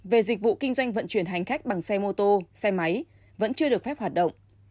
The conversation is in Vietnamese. về dịch vụ kinh doanh vận chuyển hành khách bằng xe mô tô xe máy vẫn chưa được phép hoạt động